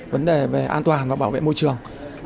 vấn đề về an toàn và bảo vệ môi trường